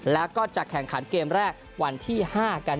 แล้วก็จะแข่งขันเกมแรกวันที่๕กัน